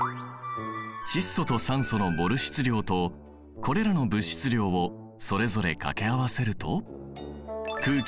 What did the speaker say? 窒素と酸素のモル質量とこれらの物質量をそれぞれ掛け合わせると空気